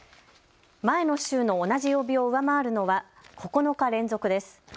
前の週の同じ曜日を上回るのは９日連続です。